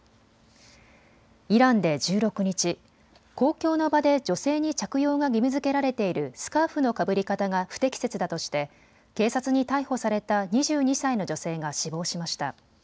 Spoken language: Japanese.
イランで１６日、公共の場で女性に着用が義務づけられているスカーフのかぶり方が不適切だとして警察に逮捕された２２歳の女性が死亡しました。